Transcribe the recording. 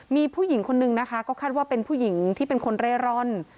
มีผู้หญิงคนนึงนะคะก็คาดว่าเป็นผู้หญิงที่เป็นคนเร่ร่อน